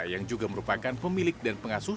yang juga merupakan pemilik dan pengasuh